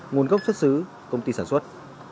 nguồn gốc xuất xứ công ty sản xuất